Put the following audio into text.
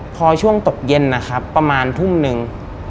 พอช่วงตกเย็นนะครับประมาณทุ่มหนึ่ง